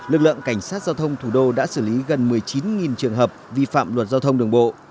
lực lượng cảnh sát giao thông thủ đô đã xử lý gần một mươi chín trường hợp vi phạm luật giao thông đường bộ